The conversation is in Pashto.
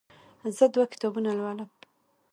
زه دوه کتابونه لولم.